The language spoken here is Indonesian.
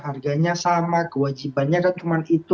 harganya sama kewajibannya kan cuma itu